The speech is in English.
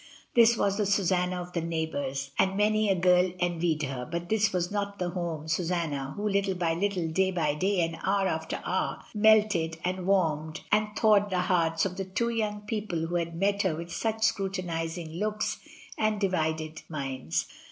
This was the Susanna of the neighbours, and many a girl envied her; but this was not the home Susanna, who, little by little, day by day, and hour after hour melted and warmed and thawed the hearts of the two young people who had met her with such scrutinising looks and divided minds.